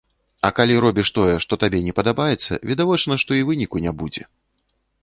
А калі робіш тое, што табе не падабаецца, відавочна, што і выніку не будзе.